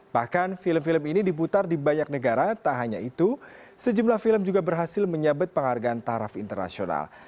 bahkan film film ini diputar di banyak negara tak hanya itu sejumlah film juga berhasil menyabet penghargaan taraf internasional